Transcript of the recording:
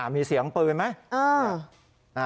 มีเสียงปืนไหม